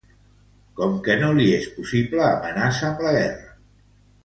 Com que no li és possible, amenaça amb la guerra.